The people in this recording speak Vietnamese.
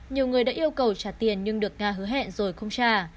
nhiều người đã yêu cầu trả tiền nhưng được nga hứa hẹn rồi không trả